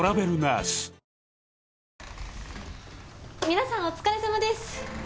皆さんお疲れさまです！